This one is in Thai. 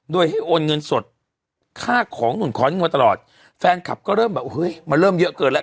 โดยให้โอนเงินสดค่าของหนุนขอดีตลอดแฟนคลับก็เริ่มเยอะเกินแล้ว